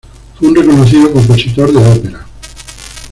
Fue un reconocido compositor de ópera.